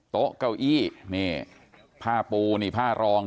โต๊ะเก้าอี้ผ้าปูผ้ารอง